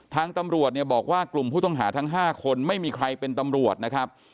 ทางตำรวจเนี่ยบอกว่ากลุ่มผู้ต้องหาทั้ง๕คนไม่มีใครเป็นตำรวจนะครับ